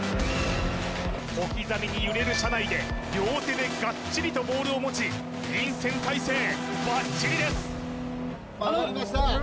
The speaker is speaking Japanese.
小刻みに揺れる車内で両手でガッチリとボールを持ち臨戦態勢バッチリです